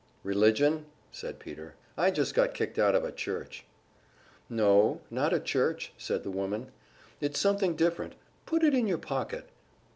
"Religion?" said Peter. "I just got kicked out of a church." "No, not a church," said the woman. "It's something different; put it in your pocket."